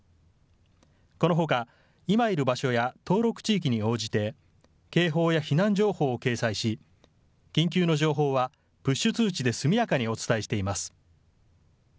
このほか今いる場所や登録地域に応じて、警報や避難情報を掲載し、緊急の情報はプッシュ通知で速やかにお伝えしています。